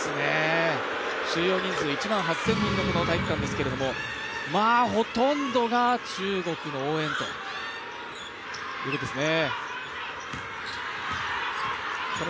収容人数１万８０００人の体育館ですけれどもほとんどが中国の応援ですね。